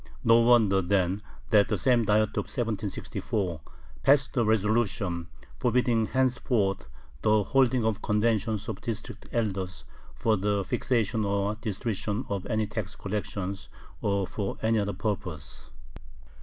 No wonder then that the same Diet of 1764 passed a resolution forbidding henceforth the holding of conventions of District elders for the fixation or distribution of any tax collections or for any other purpose.